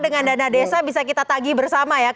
dengan dana desa bisa kita tagih bersama ya